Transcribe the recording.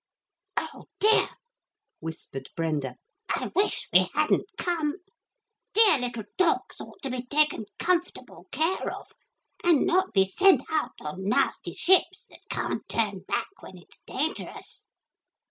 'Oh, dear,' whispered Brenda, 'I wish we hadn't come. Dear little dogs ought to be taken comfortable care of and not be sent out on nasty ships that can't turn back when it's dangerous.'